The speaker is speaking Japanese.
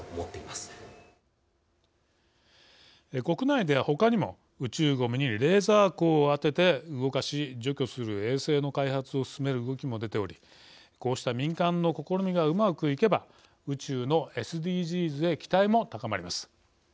国内では、ほかにも宇宙ごみにレーザー光を当てて動かし除去する衛星の開発を進める動きも出ておりこうした民間の試みがうまくいけば宇宙のＳＤＧｓへ期待も高まります。